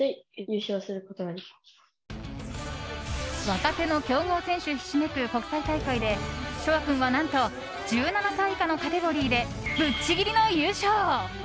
若手の強豪選手ひしめく国際大会で翔海君は何と１７歳以下のカテゴリーでぶっちぎりの優勝。